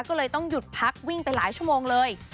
ก็เลยต้องหยุดพักวิ่งไปหลายชั่วโมงเลย